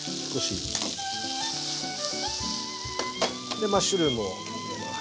でマッシュルームを入れます。